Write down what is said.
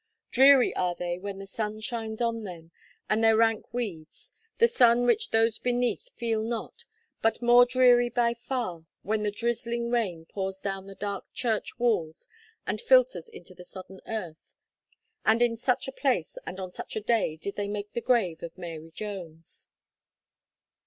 Dreary are they when the sun shines on them, and their rank weeds, the sun which those beneath feel not, but more dreary by far when the drizzling rain pours down the dark church walls and filters into the sodden earth. And in such a place, and on such a day did they make the grave of Mary Jones.